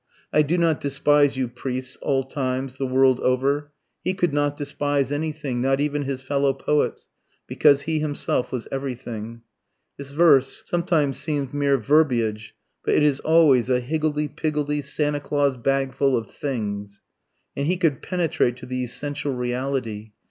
I do not despise you priests, all times, the world over.... He could not despise anything, not even his fellow poets, because he himself was everything. His verse sometimes seems mere verbiage, but it is always a higgledy piggledy, Santa Claus bagful of things. And he could penetrate to the essential reality.